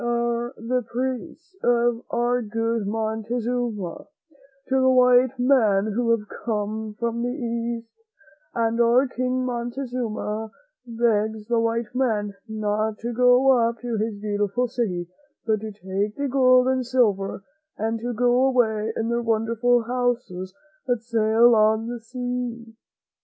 ■•> 43 MEN WHO FOUND AMERICA ,♦■■■ "r~^ are the presents of our good King Montezuma to the white men who have come from the East ; and our King Montezuma begs the white men not to go up to his beautiful city, but to take the gold and silver and to go away in their wonderful houses that sail on the sea."